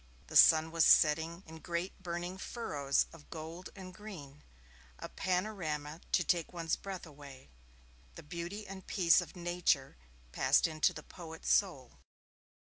The sun was setting in great burning furrows of gold and green a panorama to take one's breath away. The beauty and peace of Nature passed into the poet's soul.